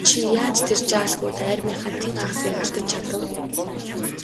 Чи яаж тэр жаал хүүд армийнхаа тэн хагасыг алдаж чадав?